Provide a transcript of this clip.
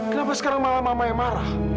kenapa sekarang malah mama yang marah